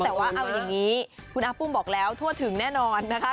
แต่ว่าเอาอย่างนี้คุณอาปุ้มบอกแล้วทั่วถึงแน่นอนนะคะ